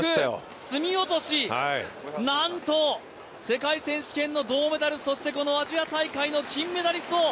隅落、なんと世界選手権の銅メダルそして、このアジア大会の金メダリストを！